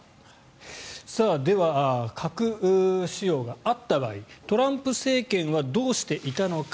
では、核使用があった場合トランプ政権はどうしていたのか。